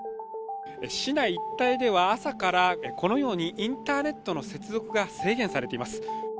市内一帯では朝からこのようにインターネットの接続が制限されています。